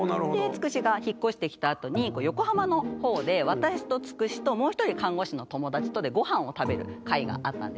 つくしが引っ越してきたあとに横浜の方で私とつくしともう１人看護師の友達とでごはんを食べる会があったんですね。